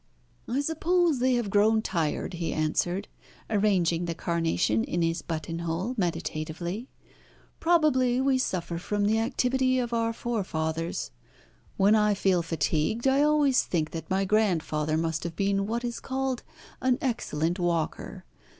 "I suppose they have grown tired," he answered, arranging the carnation in his buttonhole meditatively. "Probably we suffer from the activity of our forefathers. When I feel fatigued I always think that my grandfather must have been what is called an excellent walker.